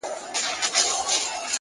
وخت د ارمانونو د پخېدو میدان دی!